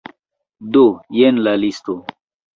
Do, jen la listo